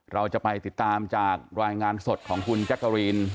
เราจะไปติดตามจากรายงานสดของคุณแจ๊กกะรีน